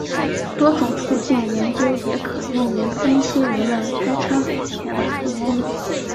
多重途径研究也可用于分析人们拆穿谎言的成功率。